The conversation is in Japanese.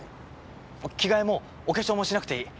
着替えもお化粧もしなくていい。